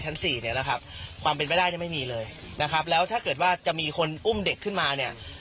สี่เนี่ยนะครับความเป็นไม่ได้เนี่ยไม่มีเลยนะครับแล้วถ้าเกิดว่าจะมีคนอุ้มเด็กขึ้นมาเนี่ย